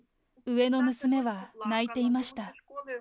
上の娘は泣いていました。